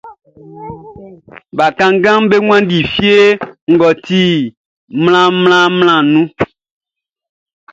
Bakannganʼm be wanndi fie mʼɔ ti mlanmlanmlanʼn nun.